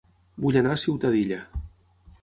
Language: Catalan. Vull anar a Ciutadilla